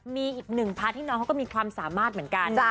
มีอีกหนึ่งพาร์ทที่น้องเขาก็มีความสามารถเหมือนกัน